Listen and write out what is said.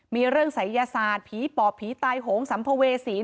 มีเรื่องศัยยศาสตร์ผีปอบผีตายโหงสัมภเวษี